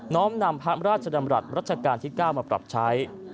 ้อมนำพระราชดำรัฐรัชกาลที่๙มาปรับใช้